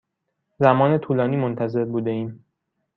زمان طولانی منتظر بوده ایم.